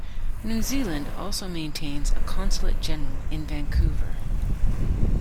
New Zealand also maintains a consulate-general in Vancouver.